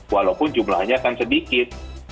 walaupun jumlahnya akan sedikit